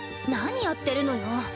何やってるのよ？